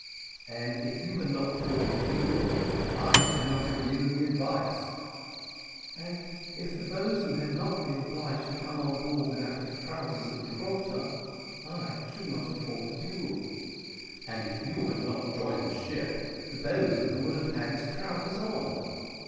"And if you had not fought a duel, I should not have given the advice." "And if the boatswain had not been obliged to come on board without his trousers, at Gibraltar, I should not have fought a duel." "And if you had not joined the ship, the boatswain would have had his trousers on."